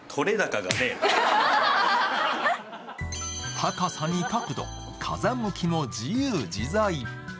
高さに角度、風向きも自由自在。